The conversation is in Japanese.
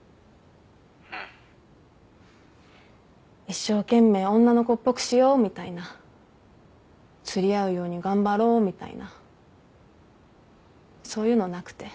一生懸命女の子っぽくしようみたいな釣り合うように頑張ろうみたいなそういうのなくて。